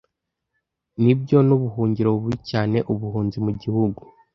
nibyo nubuhungiro bubi cyane ubuhunzi mugihugu